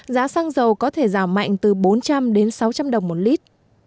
giá xăng dầu có thể giảm mạnh từ bốn trăm linh đến sáu trăm linh đồng một lít